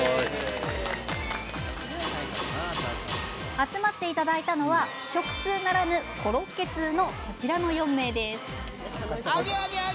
集まっていただいたのは食通ならぬコロッケ通のこちらの４名です。